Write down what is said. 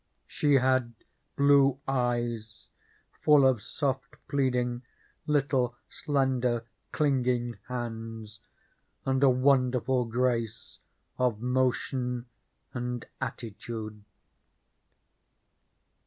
She had blue eyes full of soft pleading, little slender, clinging hands, and a wonderful grace of motion and attitude.